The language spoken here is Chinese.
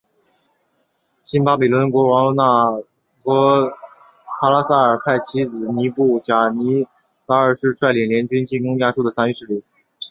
新巴比伦王国国王那波帕拉萨尔派其子尼布甲尼撒二世率领联军进攻亚述的残余势力。